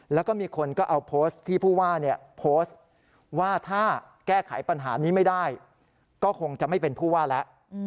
แล้วก็มีคนก็เอาโพสต์ที่ผู้ว่าโพสต์ว่าถ้าแก้ไขปัญหานี้ไม่ได้ก็คงจะไม่เป็นผู้ว่าแล้ว